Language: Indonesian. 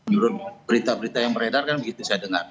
menurut berita berita yang beredar kan begitu saya dengar